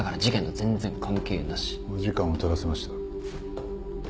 お時間をとらせました。